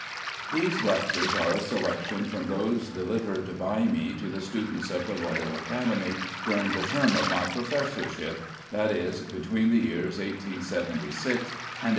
These Lectures are a selection from those delivered by me to the students of the Royal Academy during the term of my professorship, that is, between the years 1876 and 1882.